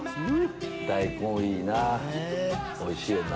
大根いいなぁおいしいよな。